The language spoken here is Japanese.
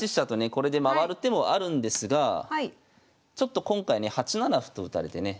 これで回る手もあるんですがちょっと今回ね８七歩と打たれてね